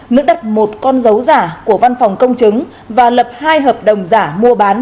nữ đặt một con dấu giả của văn phòng công chứng và lập hai hợp đồng giả mua bán